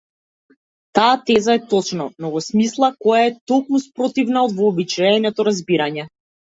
Таа теза е точна, но во смисла која е токму спротивна од вообичаеното разбирање.